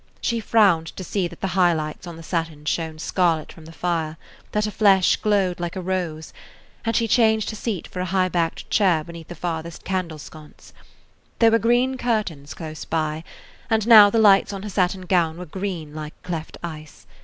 She frowned to see that the high lights on the satin shone scarlet from the fire, that her flesh glowed like a rose, and she changed her seat for a high backed [Page 50] chair beneath the farthest candle sconce. There were green curtains close by, and now the lights on her satin gown were green like cleft ice.